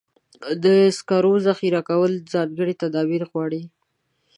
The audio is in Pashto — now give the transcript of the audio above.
د سکرو ذخیره کول ځانګړي تدابیر غواړي.